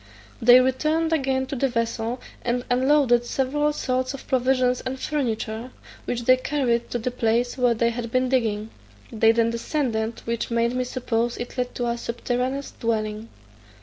They returned again to the vessel, and unloaded several sorts of provisions and furniture, which they carried to the place where they had been digging: they then descended, which made me suppose it led to a subterraneous dwelling.